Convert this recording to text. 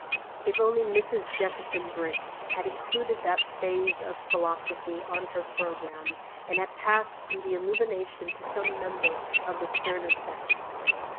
If only Mrs. Jefferson Brick had included that phase of philosophy on her programme, and had passed on the illumination to some member of the sterner sex!